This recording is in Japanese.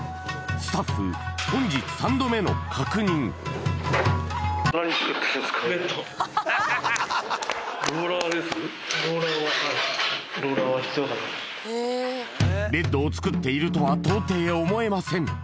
スタッフ本日ローラーははいベッドを作っているとは到底思えません